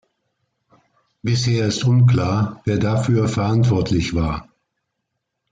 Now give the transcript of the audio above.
Bisher ist unklar, wer dafür verantwortlich war.